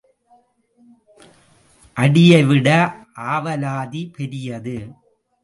அடியை விட ஆவலாதி பெரியது.